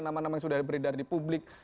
nama nama yang sudah beredar di publik